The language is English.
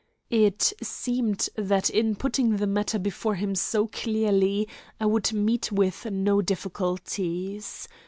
It seemed that in putting the matter before him so clearly I would meet with no difficulties.